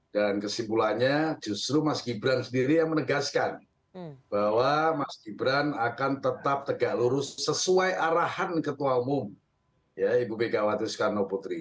dan kesimpulannya justru mas gibran sendiri yang menegaskan bahwa mas gibran akan tetap tegak lurus sesuai arahan ketua umum ibu megawati soekarno putri